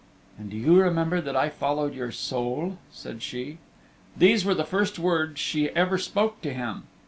"And do you remember that I followed your soul?" said she. These were the first words she ever spoke to him.